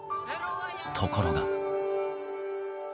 ところが。